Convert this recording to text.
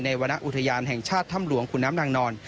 วรรณอุทยานแห่งชาติถ้ำหลวงขุนน้ำนางนอน